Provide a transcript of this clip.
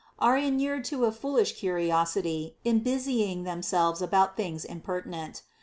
are inured to a foolish curiosity in busying themselves about things impertinent.